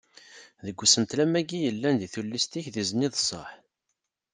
Deg usentel am wagi yellan deg tullist-ik d izen i d sseḥ.